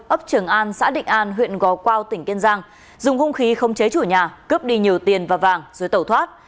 ấp trường an xã định an huyện gò quao tỉnh kiên giang dùng hung khí không chế chủ nhà cướp đi nhiều tiền và vàng rồi tẩu thoát